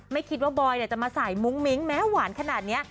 ไม่คิดว่าบอยจะมาใส่มุ้งมิ้งแม้หวานขนาดนี้